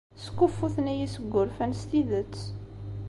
Skuffuten-iyi seg wurfan s tidet.